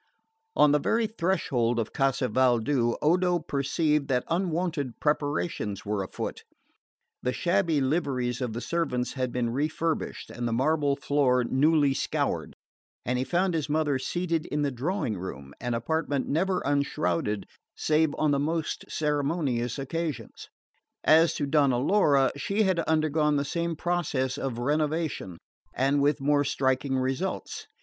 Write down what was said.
On the very threshold of Casa Valdu, Odo perceived that unwonted preparations were afoot. The shabby liveries of the servants had been refurbished and the marble floor newly scoured; and he found his mother seated in the drawing room, an apartment never unshrouded save on the most ceremonious occasions. As to Donna Laura, she had undergone the same process of renovation, and with more striking results.